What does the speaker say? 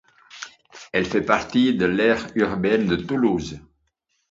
Elle fait partie de l'aire urbaine de Toulouse.